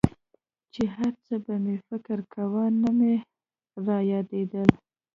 چې هرڅه به مې فکر کاوه نه مې رايادېدل.